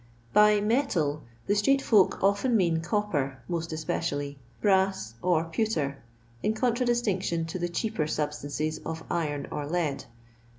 By " metal " the street folk often mean copper (most especially), brass, or pewter, in contradistinction to the cheaper substances of iron or lead.